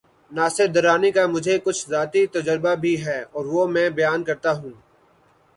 ناصر درانی کا مجھے کچھ ذاتی تجربہ بھی ہے‘ اور وہ میں بیان کرتا ہوں۔